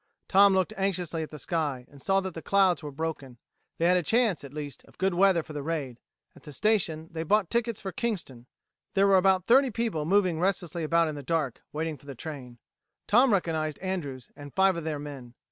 Tom looked anxiously at the sky, and saw that the clouds were broken. They had a chance, at least, of good weather for the raid. At the station they bought tickets for Kingston. There were about thirty people moving restlessly about in the dark, waiting for the train. Tom recognized Andrews and five of their men.